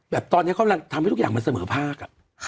ตอนนี้กำลังทำให้ทุกอย่างมันเสมอภาค